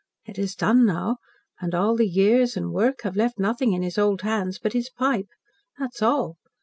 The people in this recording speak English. It is done now, and all the years and work have left nothing in his old hands but his pipe. That's all.